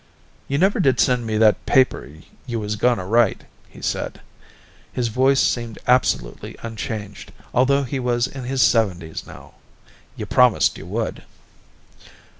"You never did send me that paper you was going to write," he said. His voice seemed absolutely unchanged, although he was in his seventies now. "You promised you would."